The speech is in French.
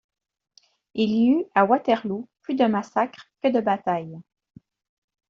il y eut à Waterloo plus de massacre que de bataille.